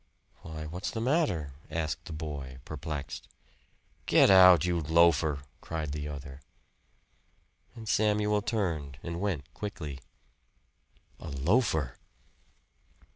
"Why, what's the matter?" asked the boy perplexed. "Get out, you loafer!" cried the other. And Samuel turned and went quickly. A loafer!